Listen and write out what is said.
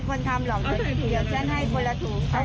มันเท่าไหร่นะคะ